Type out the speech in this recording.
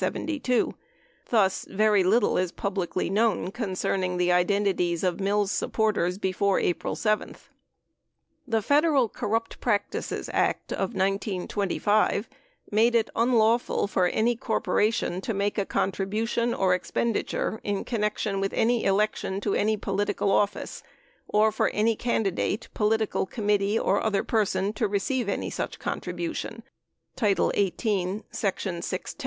6 Thus, very little is publicly known concerning the identities of Mills supporters before April 7. The Federal Corrupt Practices Act of 1925 made it unlawful for any corporation to make a contribution or expenditure in connection with any election to any political office, or for any candidate, political committee, or other person to receive any such contribution (Title 18, Section 610).